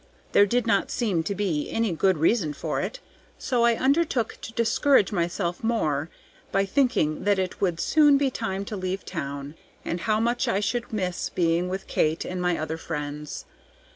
There did not seem to be any good reason for it, so I undertook to discourage myself more by thinking that it would soon be time to leave town, and how much I should miss being with Kate and my other friends.